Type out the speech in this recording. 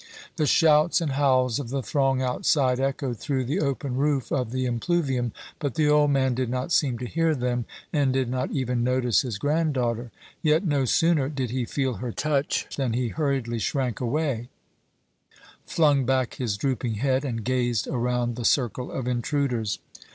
The shouts and howls of the throng outside echoed through the open roof of the impluvium, but the old man did not seem to hear them, and did not even notice his granddaughter. Yet, no sooner did he feel her touch than he hurriedly shrank away, flung back his drooping head, and gazed around the circle of intruders.